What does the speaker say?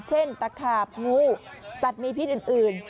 ตะขาบงูสัตว์มีพิษอื่น